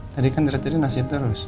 tadi kan tiri tiri nasiin terus